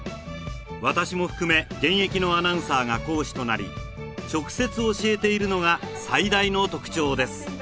私も含め現役のアナウンサーが講師となり直接教えているのが最大の特徴です